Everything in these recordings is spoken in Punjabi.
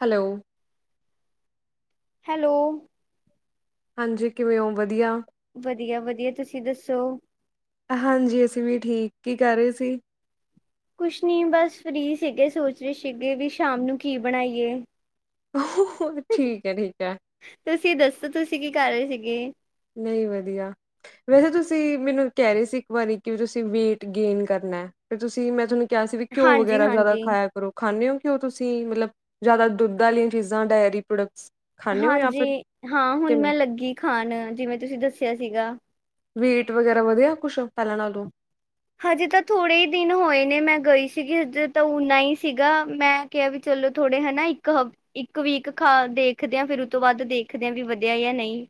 ਹੈਲੋ। ਹੈਲੋ। ਹਾਂਜੀ ਕਿਵੇਂ ਓ ਵਧੀਆ ਵਧੀਆ-ਵਧੀਆ ਤੁਸੀਂ ਦੱਸੋ ਹਾਂਜੀ ਅਸੀਂ ਵੀ ਠੀਕ ਕੀ ਕਰ ਰੇ ਸੀ? ਕੁੱਛ ਨੀ ਬਸ ਫ੍ਰੀ ਸੀਗੇ ਸੋਚ ਰਹੇ ਸੀਗੇ ਵੀ ਸ਼ਾਮ ਨੂੰ ਕੀ ਬਣਾਈਏ [unintelligible] ਠੀਕ ਐ ਠੀਕ ਐ ਤੁਸੀ ਦੱਸੋ ਤੁਸੀਂ ਕੀ ਕਰ ਰੇ ਸੀਗੇ? ਨਈ ਵਧੀਆ ਵੈਸੇ ਤੁਸੀਂ ਮੈਨੂੰ ਕਹਿ ਰੇ ਸੀ ਇੱਕ ਵਾਰੀ ਕਿ ਤੁਸੀਂ ਵੇਟ ਗੇਨ ਕਰਨਾ ਫੇਰ ਤੁਸੀਂ ਮੈਂ ਥੋਨੂੰ ਕਿਆ ਸੀ ਵੀ ਘਿਓ ਹਾਂਜੀ ਵਗੈਰਾ ਜ਼ਿਆਦਾ ਹਾਂਜੀ ਖਾਇਆ ਕਰੋ ਖਾਂਨੇ ਓ? ਕਿ ਤੁਸੀਂ ਮਤਲਬ ਜਿਆਦਾ ਦੁੱਧ ਆਲੀਆਂ ਚੀਜ਼ਾਂ ਡੇਰੀ ਪਪ੍ਰੋਡਕਟਸ ਹਾਂਜੀ ਹਾਂ ਹੁਣ ਮੈਂ ਲੱਗੀ ਖਾਣ ਜਿਵੇਂ ਤੁਸੀਂ ਦੱਸਿਆ ਸੀਗਾ ਵੇਟ ਵਗੈਰਾ ਵਧਿਆ ਕੁੱਛ ਪੈਲਾ ਨਾਲੋਂ ਹਜੇ ਤਾਂ ਥੋੜੇ ਈ ਦਿਨ ਹੋਏ ਨੇ ਮੈਂ ਗਈ ਸੀਗੀ ਹਜੇ ਤਾਂ ਉਨਾ ਈ ਸੀਗਾ ਮੈਂ ਕਿਆ ਵੀ ਚਲੋ ਥੋੜੇ ਹਨਾ ਇੱਕ ਹਫ ਇਕ ਵੀਕ ਖਾ ਦੇਖਦੇ ਆਂ ਫਿਰ ਉਤੋਂ ਬਾਦ ਦੇਖਦੇ ਆ ਵੀ ਵਧਿਆ ਯਾ ਨਈ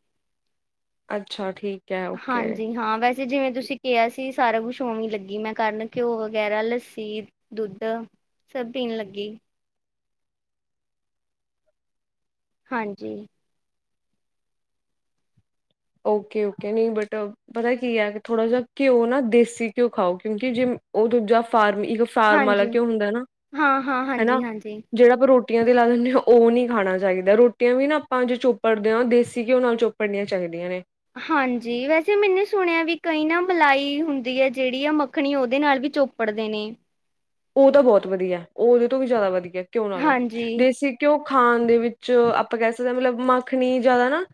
ਅੱਛਾ ਠੀਕ ਹੈ, ਓਕੇ। ਹਾਂਜੀ ਹਾਂ ਵੈਸੇ ਜਿਵੇਂ ਤੁਸੀਂ ਕਿਆ ਸੀ ਸਾਰਾ ਕੁੱਛ ਓਵੀਂ ਲੱਗੀ ਮੈਂ ਕਰਨ ਘਿਓ ਵਗੈਰਾ ਲੱਸੀ, ਦੁੱਧ ਸਭ ਪੀਣ ਲੱਗੀ। ਹਾਂਜੀ। ਓਕੇ ਓਕੇ ਨਈ ਬਟ ਪਤਾ ਕੀ ਐ ਥੋੜਾ ਜਾ ਘਿਓ ਨਾ ਦੇਸੀ ਘਿਓ ਖਾਓ ਕਿਉਂਕਿ ਜੇ ਓ ਦੂਜਾ ਫਾਰਮੀ ਇੱਕ ਫਾਰਮ ਆਲਾ ਹਾਂਜੀ ਘਿਓ ਹੁੰਦਾ ਨਾ ਹਾਂ ਹਾਂ ਹਾਂਜੀ ਹਨਾ ਹਾਂਜੀ ਜਿਹੜਾ ਆਪਾਂ ਰੋਟੀ ਰੋਟੀਆਂ ਤੇ ਲਾ ਦਿੰਦੇ ਓ ਨੀ ਖਾਣਾ ਚਾਈਦਾ ਰੋਟੀਆਂ ਵੀ ਨਾ ਆਪਾਂ ਜੇ ਚੋਪੜਦੇ ਆ ਦੇਸੀ ਘਿਓ ਨਾਲ ਚੋਪੜਨੀਆਂ ਚ ਚਾਹੀਦੀਆ ਨੇ ਹਾਂਜੀ ਵੈਸੇ ਮੈਨੂੰ ਸੁਣਿਆ ਵੀ ਕਈ ਨਾ ਮਲਾਈ ਹੁੰਦੀ ਐ ਜੇੜੀ ਆ ਮੱਖਣੀ ਓਦੇ ਨਾਲ ਵੀ ਚੋਪੜਦੇ ਨੇ ਓ ਤਾਂ ਬਹੁਤ ਵਧੀਆ ਓ ਓਦੇ ਤੋਂ ਵੀ ਜ਼ਿਆਦਾ ਵਧੀਆ ਘਿਓ ਨਾਲੋਂ ਹਾਂਜੀ ਦੇਸੀ ਘਿਓ ਖਾਣ ਦੇ ਵਿੱਚ ਆਪਾਂ ਕਹਿ ਸਕਦੇ ਹਾਂ ਮਤਲਬ ਮਾਖਣੀ ਜਿਆਦਾ ਨਾ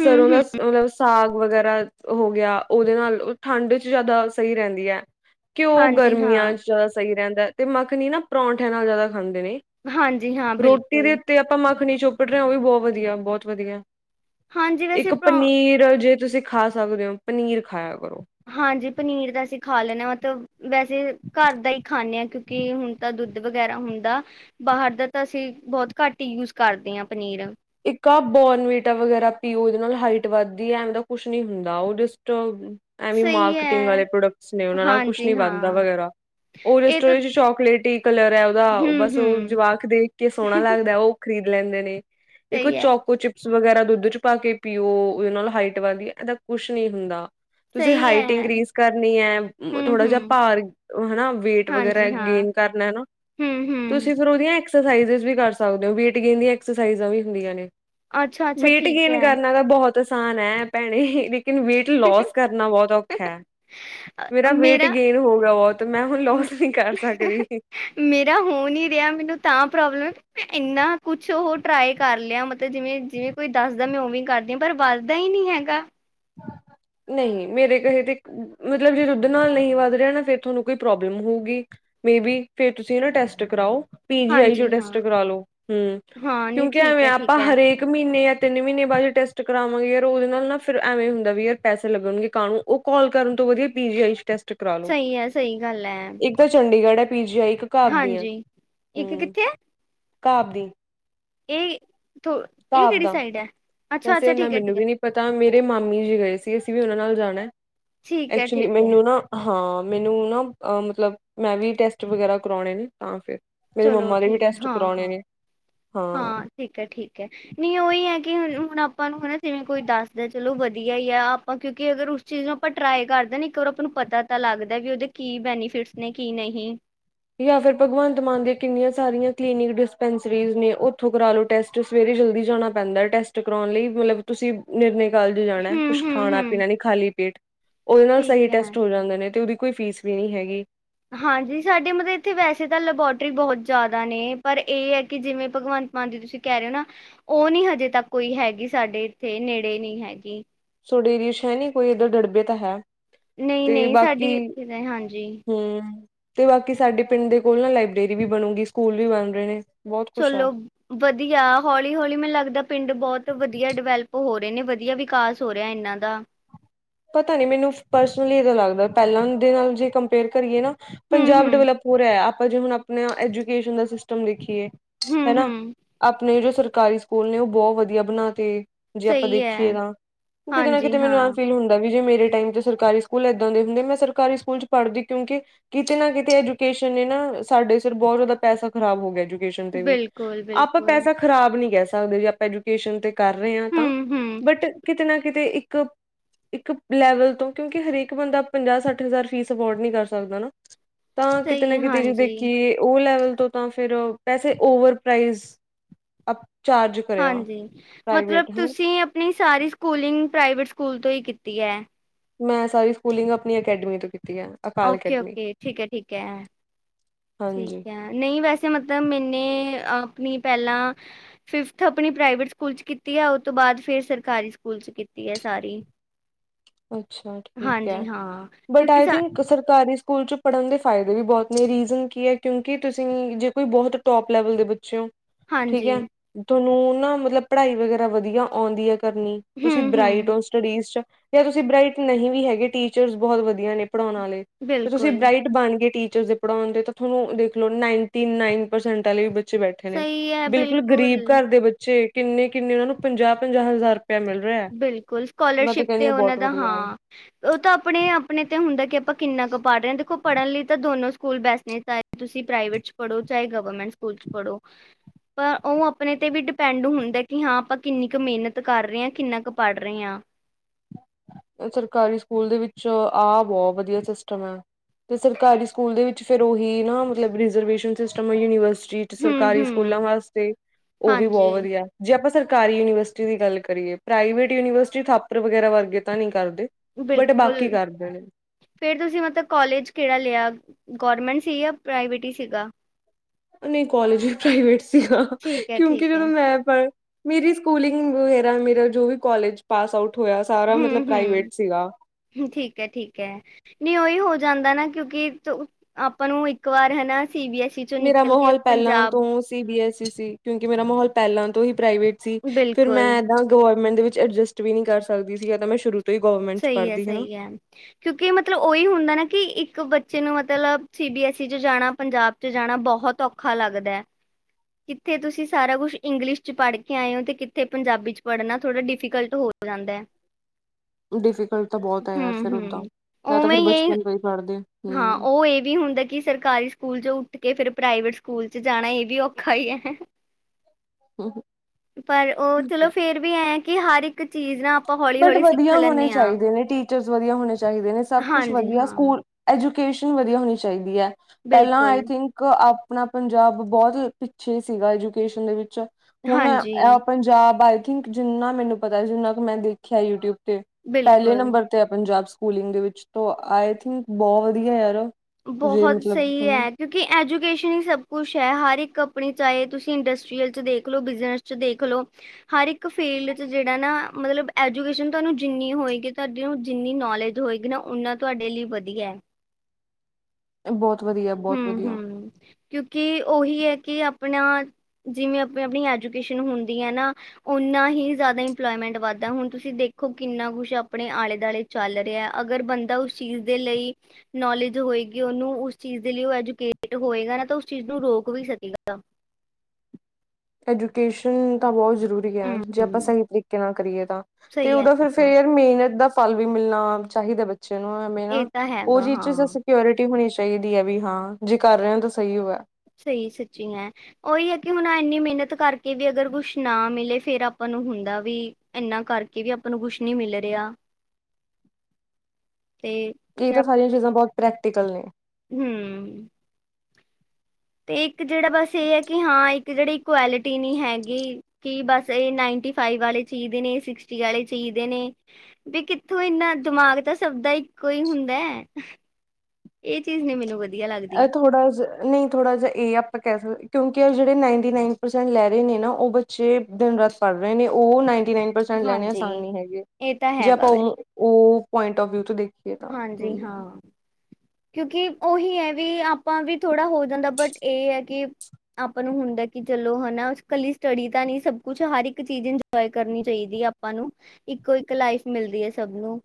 ਹੂੰ ਹੂੰ ਸਰੋਨਾ ਉਹਦਾ ਸਾ ਸਾਗ ਵਗੈਰਾ ਹੋ ਗਿਆ ਓਦੇ ਨਾਲ ਓ ਠੰਡ ਚ ਜ਼ਿਆਦਾ ਸਹੀ ਰੈਂਦੀ ਐ ਘਿਓ ਹਾਂਜੀ ਗਰਮੀਆਂ ਹਾਂ ਚ ਜਾਦਾ ਸਈ [inaudible] ਤੇ ਮੱਖਣੀ ਨਾ ਪਰੌਂਠੇ ਨਾਲ ਜ਼ਿਆਦਾ ਖਾਂਦੇ ਨੇ। ਹਾਂਜੀ ਹਾਂ ਰੋਟੀ ਦੇ ਬਿਲਕੁਲ ਉੱਤੇ ਆਪਾਂ ਮੱਖਣ ਮੱਖਣ ਚੋਪੜ ਰਿਹਾ ਉਹ ਵੀ ਬਹੁਤ ਵਧੀਆ, ਬਹੁਤ ਵਧੀਆ। ਹਾਂਜੀ ਵੈਸੇ ਇੱਕ ਪਰੌ ਪਨੀਰ ਜੇ। ਤੁਸੀਂ ਖਾ ਸਕਦੇ ਹੋ, ਪਨੀਰ ਖਾਇਆ ਕਰੋ। ਹਾਂਜੀ ਪਨੀਰ ਤਾਂ ਅਸੀਂ ਖਾ ਲੈਦੇ ਆ, ਮਤਲਬ ਵੈਸੇ ਘਰ ਦਾ ਹੀ ਖਾਂਦੇ ਹਾਂ ਕਿਉਂਕਿ ਹੁਣ ਤਾਂ ਦੁੱਧ ਵਗੈਰਾ ਹੁੰਦਾ। ਬਾਹਰ ਦਾ ਤਾਂ ਅਸੀਂ ਬਹੁਤ ਘੱਟ ਹੀ ਯੂਜ ਕਰਦੇ ਹਾਂ ਪਨੀਰ। ਇੱਕ ਆ ਬੋਰਨਵੀਟਾ ਵਗੈਰਾ ਪੀਓ, ਉਹਦੇ ਨਾਲ ਹਾਈਟ ਵੱਧਦੀ ਹੈ, ਐਵੇ ਦਾ ਕੁਛ ਨੀ ਹੁੰਦਾ। ਉਹਦੇ ਚ ਤਾਂ ਐਵੇ ਸਹੀ ਮਾਰਕੀਟਿੰਗ ਹੈ ਵਾਲੇ ਪ੍ਰੋਡਕਟਸ ਨੇ। ਉਨ੍ਹਾ ਨਾਲ ਕੁਛ ਹਾਂਜੀ ਨੀ ਬਣਦਾ ਹਾਂ ਵਗੈਰਾ। ਉਹਦੇ ਇਹ ਚ ਤਾਂ ਓਲਰੇਡੀ ਚੋਕਲੇਟੀ ਕਲਰ ਹੈ ਉਹਦਾ ਹਮ ਬਸ ਉਹ ਹਮ ਜਵਾਕ ਦੇਖ ਕੇ ਸੋਹਣਾ ਲੱਗਦਾ ਉਹ ਕ ਖ਼ਰੀਦ ਲੈਂਦੇ ਨੇ ਤੇ। ਇੱਕ ਓਹ ਸਹੀ ਹੈ ਚੌਕੋ ਚਿੱਪ। ਸ ਵਗੈਰਾ ਦੁੱਧ ਚ ਪਾ ਕੇ ਪੀਓ ਉਹਦੇ ਨਾਲ ਹਾਈਟ ਵਧਦੀ ਆ। ਇੱਦਾਂ ਦਾ ਕੁਛ ਨਹੀਂ ਹੁੰਦਾ। ਤੁਸੀਂ ਸਹੀ ਹੈ ਹਾਈਟ ਇੰਕ੍ਰੀਜ਼ ਕਰਨੀ ਹੈ, ਹਮ ਥੋੜਾ ਜਿਹਾ ਹਮ ਭਾਰ, ਵੇਟ ਵਗੈਰਾ ਹਾਂਜੀ ਹਾਂ ਗੇਨ ਕਰਨਾ ਨਾ, ਹਮ ਹਮ ਤੁਸੀਂ ਫਿਰ ਉਹਦੀ ਐਕਸ ਐਕਸਰਸਾਈ਼ਜ ਵੀ ਕਰ ਸਕਦੇ ਹੋ, ਵੇਟ ਗੇਨ ਦੀਆਂ ਐਕਸਰਸਾਈਜ਼ਾਂ ਵੀ। ਹੁੰਦੀਆਂ ਨੇ। ਅੱਛਾ ਅੱਛਾ ਵੇਟ ਠੀਕ ਗੇਨ ਹੈ ਕਰਨਾ ਤਾਂ ਬਹੁਤ। ਅਸਾਨ ਐ ਭੈਣੇ ਇਹ। ਲੇਕਿਨ ਵੇਟ ਲੋਸ ਕਰਨਾ ਬਹੁਤ ਔਖਾ ਮੇਰਾ ਵੇਟ ਗੇਨ ਹੋ ਗਿਆ ਬਹੁਤ, ਮੈਂ ਹੁਣ ਮ- ਲੋਸ ਨਹੀਂ ਕਰ ਸਕਦੀ। ਮੇਰਾ ਹੋ ਨਹੀਂ ਰਿਹਾ ਮੈਨੂੰ ਤਾਂ ਪ੍ਰੋਬਲਮ ਹੈ ਕਿ ਮੈਂ ਇੰਨਾ ਕੁਛ ਉਹ ਟ੍ਰਾਈ ਕਰ ਲਿਆ, ਮਤਲਬ ਜਿਵੇਂ, ਜਿਵੇਂ ਕੋਈ ਦੱਸਦਾ ਮੈਂ ਉਵੇ ਹੀ ਕਰਦੀ ਹਾਂ, ਪਰ ਵੱਧਦਾ ਹੀ ਨਹੀਂ ਹੈਗਾ। ਨਹੀਂ ਮੇਰੇ ਕਹੇ ਤੇ, ਮਤਲਬ ਜੇ ਦੁੱਧ ਨਾਲ ਨਹੀਂ ਵੱਧ ਰਿਹਾ ਨਾ ਫੇਰ ਤੁਹਾਨੂੰ ਕੋਈ ਪ੍ਰੋਬਲਮ ਹੋਊਗੀ, ਮੇ ਬੀ। ਫੇਰ ਤੁਸੀਂ ਨਾ ਟੈਸਟ ਕਰਾਓ। ਪੀ ਜੀ ਆਈ ਹਾਂਜੀ ਚੋਂ ਹਾਂ, ਟੈਸਟ ਕਰਾ ਲੋ। ਹੰ, ਹਾਂ ਨਹੀਂ ਕਿਉਂਕਿ ਠੀਕ ਐਵੇਂ ਹੈ ਠੀਕ ਆਪਾਂ ਹੈ। ਹਰੇਕ ਮਹੀਨੇ ਤਿੰਨ ਮਹੀਨੇ ਬਾਅਦ ਜੋ ਟੈਸਟ ਕਰਾਵਾਂਗੇ, ਯਾਰ ਉਹਦੇ ਨਾਲ ਨਾ ਫਿਰ। ਫਿਰ ਐਵੇਂ ਹੁੰਦਾ ਵੀ ਯਾਰ ਪੈਸੇ ਲੱਗਣਗੇ ਕਾਹਨੂੰ, ਉਹ ਕਾਲ ਕਰਨ ਤੋਂ ਵਧੀਆ ਪੀ ਜੀ ਆਈ ਚ ਟੈਸਟ ਟੈਸਟ ਕਰਾਲੋ, ਸਹੀ ਹੈ ਸਹੀ ਗੱਲ ਹੈ, ਇੱਕ ਤਾਂ ਚੰਡੀਗੜ੍ਹ ਹੈ ਪੀ ਜੀ ਆਈ, ਇੱਕ ਘਾਬਦੀ ਹੈ, ਹਾਂਜੀ ਇੱਕ ਹੂੰ। ਘਾਬਦੀ। ਏ ਥੋ, ਇਹ ਕਿਹੜੀ ਸਾਈਡ ਹੈ? ਅੱਛਾ ਵੈਸੇ ਅੱਛਾ ਇਨਾ ਠੀਕ ਹੈ ਮੈਨੂੰ ਠੀਕ ਹੈ, ਵੀ ਨੀ ਪਤਾ, ਮੇਰੇ ਮਾਮੀ ਜੀ ਗਏ ਸੀ। ਅਸੀਂ ਵੀ ਉਹਨਾਂ ਨਾਲ ਜਾਣਾ। ਠੀਕ ਹੈ ਐਕਚੁਅਲੀ ਠੀਕ ਹੈ ਮੈਨੂੰ ਨਾ ਆਹ। ਹਾਂ ਮੈਨੂੰ ਨਾ, ਮਤਲਬ ਮੈਂ ਵੀ ਟੈਸਟ ਵਗੈਰਾ ਕਰਵਾਉਣੇ ਨੇ। ਤਾਂ ਫਿਰ ਮੇਰੇ ਚਲੋ ਮੰਮਾ ਦੇ ਵੀ ਠੀਕ ਹੈ ਟੈਸਟ ਹਾਂ ਕਰਵਾਉਣੇ ਹਾਂ। ਨੇ। ਹਾਂ ਠੀਕ ਹੈ-ਠੀਕ ਹੈ, ਨਹੀਂ ਉਹੀ ਹੈ ਕਿ ਹੁਣ ਆਪਾਂ ਨੂੰ ਹੈਨਾ ਜਿਵੇਂ ਕੋਈ ਦੱਸਦਾ ਚਲੋ ਵਧੀਆ ਹੀ ਆ, ਆਪਾਂ ਕਿਉਂਕਿ ਅਗਰ ਉਸ ਚੀਜ਼ ਨੂੰ ਆਪਾਂ ਟਰਾਈ ਕਰਦੇ, ਇੱਕ ਆਪਾਂ ਨੂੰ ਪਤਾ ਤਾਂ ਲੱਗਦਾ ਵੀ ਉਹਦੇ ਕੀ ਬੈਨੀਫਿਟਸ ਨੇ ਕੀ ਨਹੀਂ। ਯਾ ਫਿਰ ਭਗਵੰਤ ਮਾਨ ਦੀ ਕਿੰਨੀਆਂ ਸਾਰੀਆਂ ਕਲੀਨਿਕ ਡਿਸਪੈਂਸਰੀਜ਼ ਨੇ, ਉਥੋਂ ਕਰਾਲੋ ਟੈਸਟ। ਸਵੇਰੇ ਜਲਦੀ ਜਾਣਾ ਪੈਂਦਾ ਟੈਸਟ ਕਰਾਉਣ ਲਈ, ਮਤਲਬ ਤੁਸੀਂ ਨਿਰਨੇ ਕਾਲਜ ਜਾਣਾ ਹੈ। ਹੂੰ ਕੁਛ ਹੂੰ ਖਾਣਾ ਹੂੰ ਪੀਣਾ ਨੀ, ਖਾਲੀ ਪੇਟ ਉਹਦੇ ਨਾਲ ਠੀਕ ਸਹੀ ਹੈ। ਟੈਸਟ ਹੋ ਜਾਂਦੇ ਨੇ ਤੇ ਉਹਦੀ ਕੋਈ ਫੀਸ ਵੀ ਨਹੀਂ ਹੈਗੀ। ਹਾਂਜੀ। ਸਾਡੇ ਮਤਲਬ ਇੱਥੇ, ਵੈਸੇ ਤਾਂ ਲੈਬੋਰਟਰੀ ਬਹੁਤ ਜ਼ਿਆਦਾ ਨੇ ਪਰ ਇਹ ਹੈ ਕਿ ਜਿਵੇਂ ਭਗਵੰਤ ਮਾਨ ਦੀ ਤੁਸੀਂ ਕਹਿ ਰਹੇ ਹੋ ਨਾ, ਉਹ ਨਹੀਂ ਹਜੇ ਤੱਕ ਕੋਈ ਹੈਗੀ ਸਾਡੇ ਇੱਥੇ, ਨੇੜੇ ਨਹੀਂ ਹੈਗੀ। ਰੇਡੀਓ ਹੈ ਨਹੀਂ ਕੋਈ ਇਦਾਂ ਡੜਬੇ ਤਾਂ ਹੈ ਨਹੀਂ, ਤੇ ਨਹੀਂ ਬਾਕੀ ਸਾਡੀ ਇੱਥੇ ਤਾਂ, ਹਾਂਜੀ। ਹਮ ਤੇ ਬਾਕੀ ਸਾਡੇ ਪਿੰਡ ਦੇ ਕੋਲ ਨਾ ਲਾਇਬ੍ਰੇਰੀ ਵੀ ਬਣੂਗੀ। ਸਕੂਲ ਵੀ ਬਣ ਰਹੇ ਨੇ। ਬਹੁਤ ਕੁਛ ਹੈ ਚਲੋ ਵਧੀਆ। ਹੌਲੀ, ਹੌਲੀ, ਮੈਨੂੰ ਲੱਗਦਾ ਪਿੰਡ ਬਹੁਤ ਵਧੀਆ ਡਿਵੈਲਪ ਹੋ ਨੇ, ਵਧੀਆ ਵਿਕਾਸ ਹੋ ਰਿਹਾ ਇਹਨਾਂ ਦਾ। ਪਤਾ ਨੀ ਮੈਨੂੰ ਪਰਸਨਲੀ ਲੱਗਦਾ, ਪਹਿਲਾਂ ਦੇ ਨਾਲ ਜੇ ਕੰਪੇਅਰ ਕਰੀਏ ਨਾ ਹੂੰ ਪੰਜਾਬ ਹੂੰ ਡਿਵੈਲਪ ਹੋ ਰਿਹਾ। ਆਪਾਂ ਜੇ ਹੁਣ ਆਪਣਾ, ਐਜੂਕੇਸ਼ਨ ਦਾ ਸਿਸਟਮ ਦੇਖੀਏ ਹੂੰ ਹਨਾ? ਹੂੰ ਆਪਣੇ ਜੋ ਸਰਕਾਰੀ ਸਕੂਲ ਨੇ ਉਹ ਬੋਤ ਵਧੀਆ ਬਣਾ ਤੇ ਜੇ ਆਪਾਂ ਸਹੀ ਹੈ ਦੇਖੀਏ ਤਾਂ ਕਿਤੇ ਨਾ ਹਾਂਜੀ ਕਿਤੇ ਮੈਨੂੰ ਹਾਂ ਐ ਫੀਲ ਹੁੰਦਾ ਵੀ ਜੇ ਮੇਰੇ ਟਾਈਮ ਤੇ ਸਰਕਾਰੀ ਸਕੂਲ ਏਦਾਂ ਦੇ ਹੁੰਦੇ ਮੈਂ ਸਰਕਾਰੀ ਸਕੂਲ ਚ ਪੜ੍ਹਦੀ ਕਿਉਂਕਿ ਕਿਤੇ ਨਾ ਕਿਤੇ ਐਜੂਕੇਸ਼ਨ ਨੇ ਨਾ ਸਾਡੇ ਸਿਰ ਬਹੁਤ ਜਾਦਾ ਪੈਸਾ ਖਰਾਬ ਹੋ ਗਿਆ ਪੇਸ਼ਂਟ ਤੇ ਵੀ, ਬਿਲਕੁਲ ਆਪਾਂ ਬਿਲਕੁਲ ਪੈਸਾ ਖਰਾਬ ਨੀ ਕੋ ਸ ਹਰ ਵਾਰੀ ਆਪਾਂ ਐਜੂਕੇਸ਼ਨ ਤੇ ਕਰ ਰਏ ਆ ਤਾਂ, ਹੂੰ ਹੂੰ ਬਟ ਕਿਤੇ ਨਾ ਕੀਤੇ ਇੱਕ। ਇੱਕ ਲੈਵਲ ਤੋਂ ਕਿਓਂਕਿ ਹਰੇਕ ਬੰਦਾ ਪੰਜਾਹ-ਸੱਠ ਹਜਾਰ ਫੀਸ ਅਫੋਰਡ ਨੀ ਕਰ ਸਕਦਾ ਨਾਂ। ਤਾਂ ਕਿਤੇ ਸਹੀ ਨਾ ਹੈ, ਕਿਤੇ ਜੇ ਹਾਂਜੀ ਦੇਖੀਏ ਉਹ ਲੈਵਲ ਤੋਂ ਤਾਂ ਫਿਰ ਪੈਸੇ ਓਵਰ ਪ੍ਰਾਈਸ, ਆਪ ਹਾਂਜੀ, ਮਤਲਬ ਹਨਾ। ਤੁਸੀਂ ਆਪਣੀ ਸਾਰੀ ਸਕੂਲਿੰਗ ਪ੍ਰਾਈਵੇਟ ਸਕੂਲ ਤੋਂ ਈ ਕੀ? ਤੀ ਏ। ਮੈਂ ਸਾਰੀ ਸਕੂਲਿੰਗ ਆਪਣੀ ਅਕੈਡਮੀ ਤੋਂ ਕੀ। ਓਕੇ-ਓਕੇ, ਠੀਕ ਏ -ਠੀਕ ਏ। ਹਾਂਜੀ। ਠੀਕ ਐ, ਨਹੀਂ ਵੈਸੇ ਮਤਲਬ ਮੈਨੇ ਇਹ ਐ ਆਪਣੀ ਪਹਿਲਾਂ, ਫਿਫਥ ਆਪਣੀ ਪ੍ਰਾਈਵੇਟ ਸਕੂਲ ਚ ਕੀਤੀ ਆ, ਉਹ ਤੋਂ ਬਾਅਦ ਫਿਰ ਸਰਕਾਰੀ ਸਕੂਲ ਚ ਕੀਤੀ ਹੈ ਸਾਰੀ। ਅੱਛਾ ਠੀਕ ਹੈ, ਹਾਂਜੀ ਹਾਂ ਬਟ ਕਿਉਂਕਿ ਸਾ ਆਈਥਿੰਕ ਸਰਕਾਰੀ ਸਕੂ ਸਕੂਲ ਚ ਪੜ੍ਹਨ ਦੇ ਫਾਇਦੇ ਵੀ ਬੌਤ ਨੇ, ਰੀਜ਼ਨ ਕੀ ਏ ਕਿਉਂਕਿ ਤੁਸੀਂ ਜੇ ਕੋਈ ਬੌਤ ਟੋਪ ਲੈਵਲ ਦੇ ਬੱਚੇ ਓ। ਹਾਂਜੀ। ਉਨੂੰ ਨਾ ਮਤਲਬ ਪੜ੍ਹਾਈ ਵਗੈਰਾ ਵਧੀਆ ਆਉਂਦੀ ਏ। ਕਰਨੀ ਹੂੰ ਤੁਸੀਂ ਬਰਾਈਟ ਹੂੰ ਓ ਸਟੱਡੀਜ਼ ਚ ਜਾਂ ਤੁਸੀਂ ਬਰਾਈਟ ਨਹੀਂ ਵੀ ਹੈਗੇ ਟੀਚਰਸ ਬਹੁਤ ਵਧੀਆ ਨੇ, ਪੜ੍ਹਾਉਣ ਵਾਲੇ ਤੇ ਤੁਸੀਂ ਬਿਲਕੁਲ। ਬ੍ਰਾਈਟ ਬਣ ਗਏ ਟੀਚ, ਪੜ੍ਹਾਉਣ ਦੇ ਤਾਂ ਤੁਹਾਨੂੰ ਦੇਖ ਲੋ ਨਾਈਟੀ ਨਾਈਨ ਪਰਸੈਂਟ ਆਲੇ ਵੀ, ਬੇ ਬੈਠੇ ਨੇ ਸਹੀ ਹੈ ਬਿਲਕੁਲ ਗ਼ਰੀਬ ਘਰ ਦੇ ਬੱਚੇ, ਕਿੰਨੇ-ਕਿੰਨੇ ਉਹਨਾਂ ਨੂੰ ਪੰਜਾਹ-ਪੰਜਾਹ ਹਜ਼ਾਰ, ਰੁਪਇਆ ਮਿਲ ਰਿਹਾ ਹੈ। ਬਿਲਕੁਲ ਮੈਂ ਸਕੋਲਰਸ਼ਿਪ, ਕਹਿੰਦੀ ਤੇ ਹਾਂ ਉਹਨਾਂ ਬਹੁਤ ਦਾ ਵਧੀਆ ਹੈ। ਹਾਂ ਉਹ ਤਾਂ ਆਪਣੇ-ਆਪਣੇ ਤੇ, ਹੁੰਦਾ ਕਿ ਆਪਾਂ ਕਿੰਨਾ ਕੁ ਪੜ੍ਹ ਰਹੇ ਹਾਂ ਦੇਖੋ, ਪੜ੍ਹਨ ਲਈ ਤਾਂ ਦੋਨੋ ਸਕੂਲ ਬੈਸ ਨੇ ਚਾਹੇ ਤੁਸੀਂ ਪ੍ਰਾਈਵੇਟ ਚ ਪੜੋ ਚਾਹੇ ਗਵਰਮੈਂਟ ਸਕੂਲ ਚ ਪੜ੍ਹੋ ਪਰ ਉਹ ਆਪਣੇ ਤੇ ਵੀ ਡਿਪੈਂਡ ਹੁੰਦਾ ਕਿ ਹਾਂ ਆਪਾਂ ਕਿੰਨੀ ਕੁ ਮਿਹਨਤ ਕਰ ਰਹੇ ਹਾਂ। ਕਿੰਨਾ ਕੁ ਪੜ੍ਹ ਰਹੇ ਹਾਂ। ਸਰਕਾਰੀ ਸਕੂਲ ਦੇ ਵਿੱਚ ਆਹ ਬਹੁਤ ਵਧੀਆ ਸਿਸਟਮ ਹੈ, ਤੇ ਸਰਕਾਰੀ ਸਕੂਲ ਦੇ ਵਿੱਚ ਫੇਰ ਉਹੀ ਨਾ ਮਤਲਬ ਰਿਜਰਵੇਸ਼ਨ ਸਿਸਟਮ ਯੂਨੀਵਰਸਿਟੀ, ਹੂੰ ਸਰਕਾਰੀ ਸਕੂਲਾਂ ਹੂੰ ਵਾਸਤੇ ਉਹ ਵੀ ਹਾਂਜੀ ਬਹੁਤ ਵਧੀਆ ਜੇ ਆਪਾਂ ਸਰ ਸਰਕਾਰੀ ਯੂਨੀਵਰਸਿਟੀ ਦੀ ਗੱਲ ਕਰੀਏ ਪ੍ਰਾਈਵੇਟ ਯੂਨੀਵਰਸਿਟੀ ਥੇਪਰ ਵਗੈਰਾ ਵਰਗੇ। ਪਤਾਂ ਨੀ ਕਰਦਾ, ਬਿਲਕੁਲ ਫੇਰ ਤੁਸੀਂ ਮਤਲਬ ਕਾਲਜ ਕਿਹੜਾ ਲਿਆ। ਗੌਰਮੈਂਟ ਸੀ ਜਾਂ ਪ੍ਰਾਈਵੇਟ ਹੀ ਸੀਗਾ। ਨਹੀਂ ਕਾਲਜ ਵੀ ਯੁਨੀ ਗਾ ਠੀਕ ਹੈ ਕਿਉਂਕਿ ਠੀਕ ਹੈ ਜਦੋਂ ਮੈਂ ਪ ਮੇਰੀ ਸਕੂਲਿੰਗ ਵਗੈਰਾ ਮੇਰਾ ਜੋ ਵੀ ਕਾਲਜ ਪਾਸ ਆਊਟ ਹੋਇਆ ਸਾਰਾ ਮਤਲਬ ਪ੍ਰਾਈਵੇਟ ਸੀਗਾ ਹੂੰ-ਹੂੰ, ਠੀਕ ਹੈ ਠੀਕ ਹੈ ਨੀ ਉਹੀ ਹੋ, ਜਾਂਦਾ ਨਾ ਕਿਉਂਕਿ ਆਪਾਂ ਨੂੰ ਇੱਕ ਵਾਰ ਹਨਾ। ਸੀ ਬੀ ਐਸ ਈ ਚੋਂ ਮੇਰਾ ਨਿਕਲ ਕੇ ਮਾਹੌਲ ਪਹਿਲਾਂ ਪੰਜਾਬ ਤੋਂ ਸੀ ਬੀ ਐਸ, ਸੀ ਕਿਉਂਕਿ ਮੇਰਾ ਮਾਹੌਲ ਪਹਿਲਾਂ ਤੋਂ ਹੀ, ਪ੍ਰਾਈਵੇਟ ਸੀ ਫੇਰ ਮੈਂ ਬਿਲਕੁਲ ਇਦਾਂ ਗ ਮ ਦੇ ਵਿੱਚ ਐਡਜਸਟ ਵੀ ਨਹੀਂ ਕਰ ਸਕਦੀ ਸੀਗਾ ਤਾਂ ਮੈਂ ਸ਼ੁਰੂ, ਤੋਂ ਹੀ ਗਵਰਮੈਂਟ ਚ ਸਹੀ ਹੈ ਪੜ੍ਹਦੀ ਹਨਾ। ਸਹੀ ਹੈ ਕਿਉਂਕਿ ਮਤਲਬ ਉਹੀ ਹੁੰਦਾ ਨਾ ਕਿ ਇੱਕ, ਨੂੰ ਮਤਲਬ, ਸੀ ਬੀ ਐੱਸ ਈ ਚ ਜਾਣਾ ਪੰਜਾਬ, ਚ ਜਾਣਾ ਬਹੁਤ ਔਖਾ ਲੱਗਦਾ ਹੈ, ਕਿੱਥੇ ਤੁਸੀਂ ਸਾਰਾ ਕੁਛ ਇੰਗਲਿਸ਼ ਚ ਪੜ੍ਹ ਕੇ ਆਏ ਹੋ ਤੇ ਕਿੱਥੇ ਪੰਜਾਬੀ ਚ ਪੜ੍ਹਨਾ ਥੋੜ੍ਹਾ ਡਿਫੀਕਲਟ ਹੋ ਜਾਂਦਾ ਹੈ। ਡਿਫੀਕਲਟ ਤਾਂ ਬਹੁਤ ਹੈ ਯਾਰ ਹਮ ਫਿਰ ਉਦਾਂ ਹਮ ਜਾਂ ਤਾਂ ਉਵੇਂ ਫਿਰ ਇਹ, ਬਚਪਨ ਤੋਂ ਹੀ ਪੜ੍ਹਦੇ, ਹਾਂ ਹੂੰ। ਉਹ ਇਹ ਵੀ ਹੁੰਦਾ ਕਿ ਸਰਕਾਰੀ ਸਕੂਲ ਚ, ਉ ਕੇ ਫਿਰ ਪ੍ਰਾਈਵੇਟ ਸਕੂਲ ਚ ਜਾਣਾ ਇਹ ਵੀ ਔਖਾ ਹੀ ਹੈ। ਠੀਕ ਪਰ ਉਹ ਹੈ। ਚਲੋ ਫੇਰ ਵੀ ਐਂ, ਕੀ ਹਰ ਇੱਕ, ਇੱਕ ਚੀਜ਼ ਨਾ ਆਪਾਂ ਹੌਲੀ ਬਟ ਹੌਲੀ ਸਿੱਖ ਵਧੀਆ ਹੋਣੇ ਲੈਂਦੇ ਹਾਂ। ਚਾਹੀਦੇ ਨੇ ਟੀਚਰਸ ਵਧੀਆ ਹੋਣੇ ਚ ਚਾਹੀਦੇ ਨੇ ਸਭ ਕੁਛ ਵਧੀਆ ਸਕੂਲ ਅਜੂ ਕੇਸ਼ਨ ਵਧੀਆ ਹੋਣੀ ਚਾਹੀਦੀ ਹੈ ਪਹਿਲਾਂ ਆਈ ਬਿਲਕੁਲ। ਥਿੰਕ ਆਪਣਾ ਪੰਜਾਬ ਬਹੁਤ ਪਿੱਛੇ ਸੀਗਾ ਐਜੂਕੇਸ਼ਨ ਦੇ ਵਿੱਚ ਹੁਣ ਇਹ ਹਾਂਜੀ, ਪੰਜਾਬ ਆ ਥਿੰਕ ਜਿੰਨਾ ਮੈਨੂੰ ਪਤਾ ਜਿੰਨਾ ਮੈਂ ਦੇਖਿਆ ਯੂਟਿਊਬ ਤੇ ਪਹਿਲੇ ਬਿਲਕੁਲ। ਨੰਬਰ ਤੇ ਹੈ ਪੰਜਾਬ ਸਕੂਲਿੰਗ ਦੇ ਵਿੱਚ ਆਈ ਥਿੰਕ ਬਹੁਤ ਵਧੀਆ ਯਾਰ ਜੇ ਬਹੁਤ ਮਤਲਬ ਸਹੀ ਹੁਣ ਹੈ ਕਿਉਂਕਿ ਐਜੂਕੇਸ਼ਨ ਹੀ ਸਭ ਕੁਛ ਹੈ ਹਰ ਇੱਕ ਆਪਣੀ ਚਾਹੇ ਤੁਸੀਂ ਇੰਡਸਟਰੀਅਲ 'ਚ ਦੇਖ ਲਓ ਬਿਜ਼ਨਸ 'ਚ ਦੇਖ ਲਓ ਹਰ ਇੱਕ ਫੀਲਡ 'ਚ ਜਿਹੜਾ ਨਾ ਮਤਲਬ ਐਜੂਕੇਸ਼ਨ ਤੁਹਾਨੂੰ ਜਿੰਨੀ ਹੋਏਗੀ ਤੁਹਾਡੇ ਜਿੰਨੀ ਨੌਲੇਜ ਹੋਏਗੀ ਨਾ ਓਨਾ ਤੁਹਾਡੇ ਲਈ ਵਧੀਆ ਹੈ ਬਹੁਤ ਵਧੀਆ ਬਹੁਤ ਹਮ ਵਧੀਆ ਹਮ ਕਿਉਂਕਿ ਉਹੀ ਹੈ ਕਿ ਆਪਣਾ ਜਿਵੇ ਆਪ ਆਪਣੀ ਐਜੂਕੇਸ਼ਨ ਹੁੰਦੀ ਆ ਨਾ ਓਨਾ ਹੀ ਜਿਆਦਾ ਇੰਪਲੋਮੈਂਟ ਵਧਦਾ ਹੁਣ ਤੁਸੀਂ ਦੇਖੋ ਕਿੰਨਾ ਕੁਛ ਆਪਣੇ ਆਲੇ ਦੁਆਲੇ ਚਲ ਰਿਹਾ ਅਗਰ ਬੰਦਾ ਉਸ ਚੀਜ਼ ਦੇ ਲਈ ਨੋਲੇਜ ਹੋਏਗੀ ਓਨੂੰ ਚੀਜ਼ ਦੇ ਲਈ ਉਹ ਐਜੂਕੇਟ ਹੋਏਗਾ ਨਾ ਤਾਂ ਉਸ ਚੀਜ਼ ਨੂੰ ਰੋਕ ਵੀ ਸਕੇਗਾ ਐਜੂਕੇਸ਼ਨ ਤਾਂ ਬਹੁਤ ਜ਼ਰੂਰੀ ਹੈ ਹੂੰ ਜੇ ਆਪਾਂ ਸਹੀ ਤਰੀਕੇ ਨਾਲ ਕਰੀਏ ਤਾਂ ਤੇ ਸਹੀ ਹੈ ਉਹਦਾ ਫਿਰ ਫੇਰ ਯਾਰ ਮਿਹਨਤ ਦਾ ਫਲ ਵੀ ਮਿਲਣਾ ਚਾਹੀਦਾ ਵੈ ਨੂੰ ਇਹ ਨਾ ਤਾਂ ਉਹ ਹੈਗਾ ਚੀਜ਼ ਚ ਹਾਂ ਸਿਓਰਟੀ ਹੋਣੀ ਚਾਹੀਦੀ ਹੈ ਵੀ ਹਾਂ ਜੇ ਕਰ ਰਹੇ ਹੋ ਤਾਂ ਸਹੀ ਹੋ ਹੈ ਸਹੀ ਸੱਚੀ ਹੈ ਓਹੀ ਹੈ ਕਿ ਹੁਣ ਇਨੀ ਮਿਹਨਤ ਕਰਕੇ ਵੀ ਅਗਰ ਕੁਛ ਨਾ ਮਿਲੇ ਫੇਰ ਆਪਾਂ ਨੂੰ ਹੁੰਦਾ ਵੀ ਇਨਾ ਕਰਕੇ ਵੀ ਆਪਾਂ ਨੂੰ ਕੁਛ ਨੀ ਮਿਲ ਰਿਹਾ ਤੇ ਇਹ ਤਾਂ ਫਿਰ ਸਾਰੀਆਂ ਚੀਜ਼ਾਂ ਬਹੁਤ ਪ੍ਰੈਕਟੀਕਲ ਨੇ ਹਮ ਤੇ ਇਕ ਜਿਹੜਾ ਬਸ ਇਹ ਆ ਕਿ ਹਾਂ ਇੱਕ ਜਿਹੜੀ ਇਕੁਲਿਟੀ ਨੀ ਹੈਗੀ ਕਿ ਬਸ ਆ ਨਾਈਨਟੀ ਫਾਇਬ ਆਲੇ ਚਾਹੀਦੇ ਨੇ ਸਿਕਸ ਟੀ ਆਲੇ ਚਾਹੀਦੇ ਨੇ ਵੀ ਕਿਥੋਂ ਇਨਾ ਦਿਮਾਗ ਦਾ ਸਭ ਦਾ ਇੱਕੋ ਹੁੰਦਾ ਆ ਇਹ ਚੀਜ਼ ਨੀ ਮੈਨੂ ਵ ਇਹ ਥੋੜਾ ਜਾ ਨਹੀਂ ਥੋੜਾ ਜਿਹਾ ਇਹ ਆਪਾਂ ਕਹਿ ਸਕਦੇ ਕਿਉਂਕਿ ਉਹ ਜਿਹੜੇ ਨਾਈਨਟੀ ਨਾਈਨ ਪਰਸੈਂਟ ਲੈ ਰਹੇ ਨੇ ਨਾ ਉਹ ਬੱਚੇ ਦਿਨ ਰਾਤ ਪੜ੍ਹ ਰਹੇ ਨੇ ਉਹ ਨਾ [unintelligible] ਨਾਇਨ ਪਰਸੈਂਟ ਲੈਣੇ ਹਾਂਜੀ ਆਸਾਨ ਨੀ ਹੈਗੇ ਇਹ ਤਾਂ ਜੇ ਹੈਗਾ ਆਪਾਂ ਵੈ ਉਹ ਉਹ ਪੁਇੰਟਫ ਆਫ ਵਿਊ ਤੋਂ ਦੇਖ ਹਾਂਜੀ ਹਾਂ ਕਿਉਂਕਿ ਉਹੀ ਹੈ ਵੀ ਆਪਾਂ ਵੀ ਥੋੜ੍ਹਾ ਹੋ ਜਾਂਦਾ ਬਟ ਇਹ ਹੈ ਕਿ ਆਪਾਂ ਨੂੰ ਹੁੰਦਾ ਕਿ ਚਲੋ ਹਨਾ ਕੱਲੀ ਸਟੱਡੀ ਤਾਂ ਨੀ ਸਭ ਕੁਛ ਹਰ ਇੱਕ ਚੀਜ਼ ਇੰਜੋਏ ਕਰਨੀ ਚਾਹੀਦੀ ਆਪਾਂ ਨੂੰ ਇੱਕੋ ਇੱਕ ਲਾਈਫ ਮਿਲਦੀ ਹੈ ਸਭ ਨੂੰ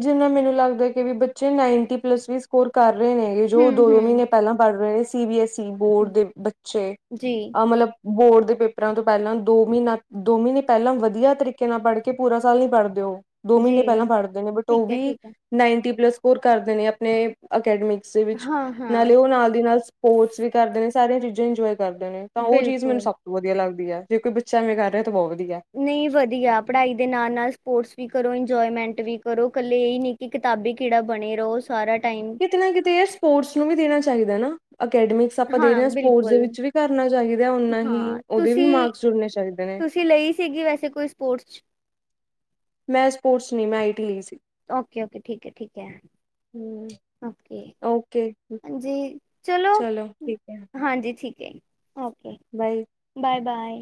ਜਿਨਾ ਮੈਨੂੰ ਲੱਗਦਾ ਕਿ ਵੀ ਬੱਚੇ ਨਾਈਨਟੀ ਪਲੱਸ ਵੀ ਸਕੋਰ ਕਰ ਰਹੇ ਨੇ ਗਏ ਜੋ ਦੋ ਦੋ ਮਹੀਨੇ ਪਹਿਲਾਂ ਪੜ੍ਹ ਰਹੇ ਸੀ ਸੀ ਬੀ ਐਸ ਸੀ ਬੋਰਡ ਦੇ ਬੱਚੇ ਆ ਮਤਲਬ ਬੋਰਡ ਦੇ ਪੇਪਰਾਂ ਤੋਂ ਪਹਿਲਾਂ ਦੋ ਮਹੀਨਾ ਦੋ ਮਹੀਨੇ ਪਹਿਲਾਂ ਵਧੀਆ ਤਰੀਕੇ ਨਾਲ ਪੜ੍ਹ ਕੇ ਪੂਰਾ ਸਾਲ ਨੀ ਪੜ੍ਹਦੇ ਓ ਦੋ ਮਹੀਨੇ ਪਹਿਲਾਂ ਪੜ੍ਹਦੇ ਨੇ ਉਹ ਹੈ, ਵੀ ਠੀਕ ਹੈ। ਨਾਈਨ, ਟੀ ਪਲੱਸ ਸਕੋਰ ਕਰਦੇ ਨੇ ਆਪਣੇ ਅਕੈਡਮਿਕ, ਵਿੱਚ ਹਾਂ-ਹਾਂ, ਨਾਲੇ ਉਹ ਨਾਲ ਦੀ ਨਾਲ ਸਪੋਰਟਸ ਵੀ ਕਰਦੇ ਨੇ, ਸਾਰੇ ਚੀਜ਼ਾਂ ਇੰਜੋਏ, ਕਰਦੇ ਨੇ ਤਾਂ ਉਹ ਚੀਜ਼ ਮੈਨੂੰ ਬਿਲਕੁਲ। ਸਭ ਤੋਂ ਵਧੀਆ ਲੱਗਦ ਦੀ ਜੇ ਕੋਈ ਬੱਚਾਂ ਐਵੇਂ ਕਰ ਰਿਹਾ ਤਾਂ ਬਹੁਤ ਵ ਨਹੀਂ ਵਧੀਆ ਪੜ੍ਹਾਈ ਦੇ ਨਾਲ ਨਾਲ ਸਪੋਰਟਸ, ਵੀ ਕਰੋ ਇੰਜੋਏਮੈਂਟ ਵੀ ਕਰੋ ਇਕੱਲੇ ਇਹ ਨਹੀਂ ਕਿ ਕਿਤਾਬੀ ਕੀੜਾ ਬਣੇ ਰਹੋ। ਸਾਰਾ ਟਾਈਮ। ਕਿਤੇ ਨਾ ਕਿਤੇ ਇਹ ਸਪੋਰਟਸ ਨੂੰ ਵੀ ਦੇਣਾ ਚਾਹੀਦਾ ਨਾ, ਅਕੈਡਮਿਕਸ ਆਪਾਂ ਦੇ ਰਹੇ ਹਾਂ ਸਪੋਰਟਸ ਦੇ ਵਿੱਚ ਵੀ ਕਰਨਾ ਚਾਹੀਦਾ ਓਨਾ ਹੀ ਹਾਂ, ਉਹਦੇ ਵੀ ਤੁਸੀਂ ਮਾਰਕਸ ਜੁੜਨੇ ਚਾਹੀਦੇ ਨੇ, ਤੁਸੀਂ ਲਈ ਸੀਗੀ ਵੈਸੇ ਕੋਈ ਸਪੋਰਟਸ 'ਚ? ਮੈਂ ਸਪੋਰਟਸ ਨੀ ਮੈਂ ਆਈ ਟੀ ਲਈ ਸੀ, ਓਕੇ ਓਕੇ, ਠੀਕ ਹੈ ਠੀਕ ਹੈ, ਹਮ ਓਕੇ ਓਕੇ ਹਾਂਜੀ ਚਲੋ ਠੀਕ ਹੈ ਹਾਂਜੀ ਠੀਕ, [unintelligible] ਓਕੇ ਬਾਏ ਬਾਏ-ਬਾਏ,